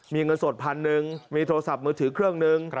มีเงินสดพันหนึ่งมีโทรศัพท์มือถือเครื่องหนึ่ง